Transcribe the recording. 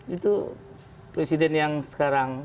itu presiden yang sekarang